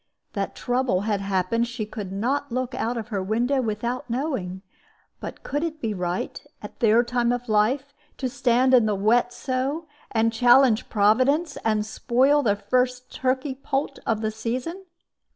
That trouble had happened she could not look out of her window without knowing; but could it be right, at their time of life, to stand in the wet so, and challenge Providence, and spoil the first turkey poult of the season?